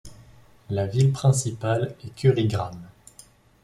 La ville principale est Kurigram.